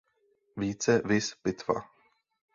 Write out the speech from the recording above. Více viz Pitva.